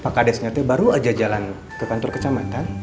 pak kades nyate baru aja jalan ke kantor kecamatan